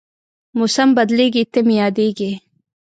موسم بدلېږي، ته مې یادېږې